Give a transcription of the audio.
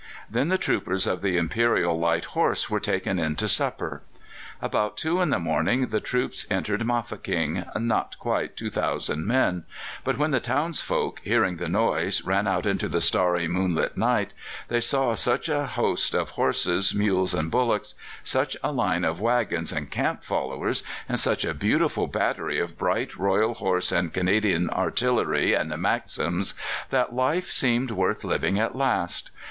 Then the troopers of the Imperial Light Horse were taken in to supper. About two in the morning the troops entered Mafeking not quite 2,000 men; but when the townsfolk, hearing the noise, ran out into the starry, moonlit night, they saw such a host of horses, mules, and bullocks, such a line of waggons and camp followers, and such a beautiful battery of bright Royal Horse and Canadian Artillery and Maxims that life seemed worth living at last.